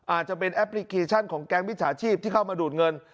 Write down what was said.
อาจจะเป็นแอปพลิเคชันของแก๊งมิจฉาชีพที่เข้ามาดูดเงิน